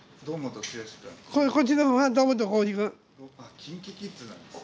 ＫｉｎＫｉＫｉｄｓなんですね。